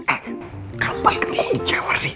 eh kamu pake kuk di jawa sih